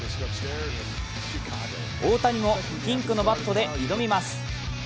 大谷もピンクのバットで挑みます。